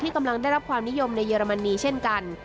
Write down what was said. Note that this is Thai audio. กำลังได้รับความนิยมในเยอรมนีเช่นกัน